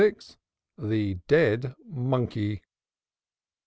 THE DEAD MONKEY.